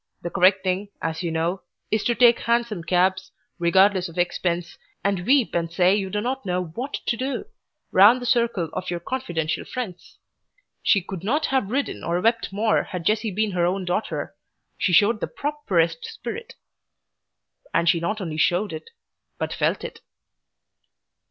The correct thing, as you know, is to take hansom cabs, regardless of expense, and weep and say you do not know WHAT to do, round the circle of your confidential friends. She could not have ridden nor wept more had Jessie been her own daughter she showed the properest spirit. And she not only showed it, but felt it.